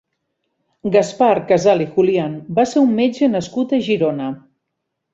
Gaspar Casal i Julián va ser un metge nascut a Girona.